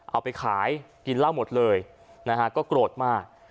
เอาไปขายกินเหล้าหมดเลยนะฮะก็โกรธมาก